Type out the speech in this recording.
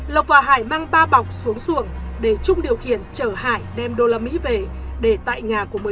lộc và hải mang ba bọc xuống xuồng để trung điều khiển chở hải đem đô la mỹ về để tại nhà của một người